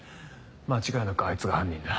間違いなくあいつが犯人だ。